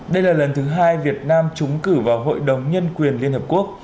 đây là lần thứ hai việt nam trúng cử vào hội đồng nhân quyền liên hợp quốc